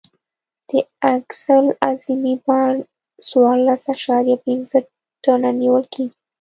د اکسل اعظمي بار څوارلس اعشاریه پنځه ټنه نیول کیږي